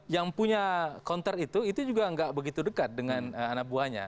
yang punya counter itu itu juga nggak begitu dekat dengan anak buahnya